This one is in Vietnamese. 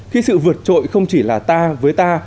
khi sự vượt trội không chỉ là ta với ta